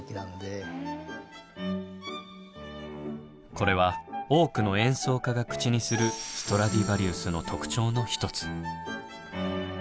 これは多くの演奏家が口にするストラディバリウスの特徴の一つ。